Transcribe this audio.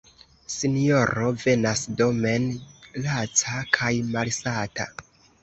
Sinjoro venas domen laca kaj malsata.